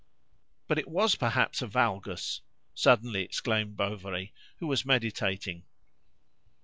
"But it was perhaps a valgus!" suddenly exclaimed Bovary, who was meditating.